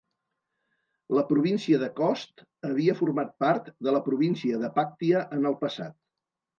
La província de Khost havia format part de la província de Paktia en el passat.